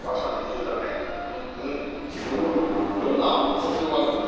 豊後牛はどんな特徴があるんですか？